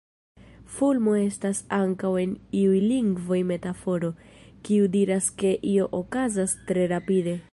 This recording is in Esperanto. Fulmo estas ankaŭ en iuj lingvoj metaforo, kiu diras ke io okazas tre rapide.